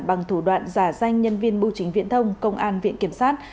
bằng thủ đoạn giả danh nhân viên bưu chính viễn thông công an viện kiểm sát